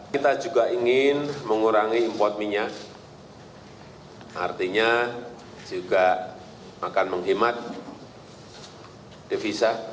kita juga ingin mengurangi impor minyak artinya juga akan menghemat devisa